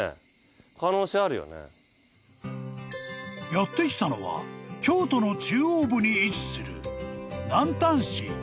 ［やって来たのは京都の中央部に位置する］